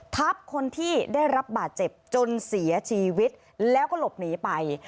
ทับคนที่ได้รับบาดเจ็บจนเสียชีวิตแล้วก็หลบหนีไป